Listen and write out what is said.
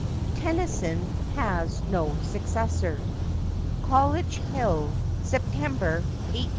Tennyson has no successor. College Hill, O., September , 1895.